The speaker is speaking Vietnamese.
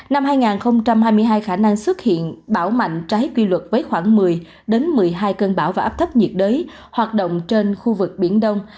năm hai nghìn hai mươi hai khả năng xuất hiện bão mạnh trái quy luật với khoảng một mươi một mươi hai cơn bão và áp thấp nhiệt đới hoạt động trên khu vực biển đông